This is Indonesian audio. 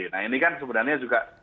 nah ini kan sebenarnya juga